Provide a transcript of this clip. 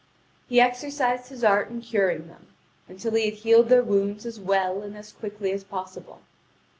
He exercised his art in curing them, until he had healed their wounds as well and as quickly as possible.